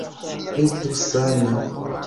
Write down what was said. Estu sana!